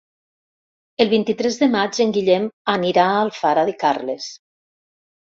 El vint-i-tres de maig en Guillem anirà a Alfara de Carles.